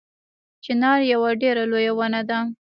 چنار یوه ډیره لویه ونه ده